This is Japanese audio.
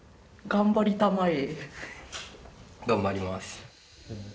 頑張ります。